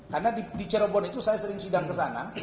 karena di cirebon itu saya sering sidang ke sana